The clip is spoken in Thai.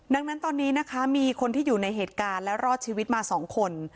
ดังนั้นตอนนี้นะคะมีคนที่อยู่ในเหตุการณ์และรอดชีวิตมา๒คน